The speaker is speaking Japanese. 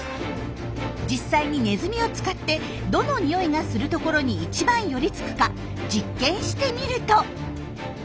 実際にネズミを使ってどの匂いがするところに一番寄りつくか実験してみると。